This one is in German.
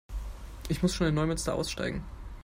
Ich muss schon in Neumünster aussteigen